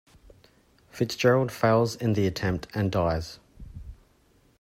Fitzgerald fails in the attempt and dies.